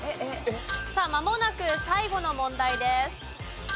さあまもなく最後の問題です。